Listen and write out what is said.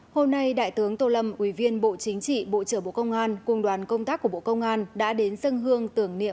hôm nay đại tướng tô lâm ủy viên bộ chính trị bộ trưởng bộ công an cùng đoàn công tác của bộ công an đã đến sân hương tưởng niệm